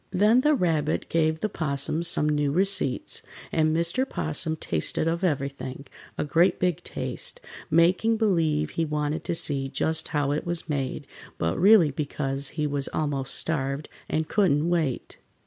Then the Rabbit gave the 'Possum some new receipts, and Mr. 'Possum tasted of everything, a great big taste, making believe he wanted to see just how it was made, but really because he was almost starved, and couldn't wait.